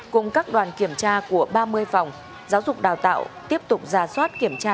cùng các đoàn kiểm tra của ba mươi phòng giáo dục đào tạo tiếp tục ra soát kiểm tra